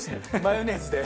マヨネーズで。